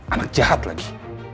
anak jahat lagi